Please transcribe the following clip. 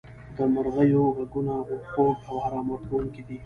• د مرغیو ږغونه خوږ او آرام ورکوونکي دي.